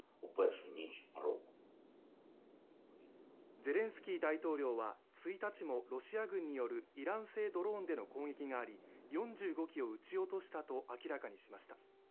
ゼレンスキー大統領は１日もロシア軍によるイラン製ドローンでの攻撃があり、４５機を撃ち落としたと明らかにしました。